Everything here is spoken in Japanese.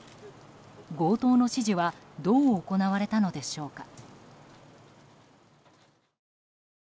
強盗の指示はどう行われたのでしょうか。